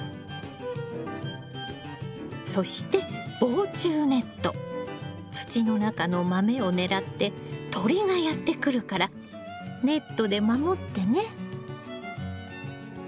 そして土の中のマメを狙って鳥がやって来るからネットで守ってね。